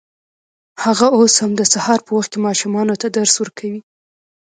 هغه اوس هم د سهار په وخت کې ماشومانو ته درس ورکوي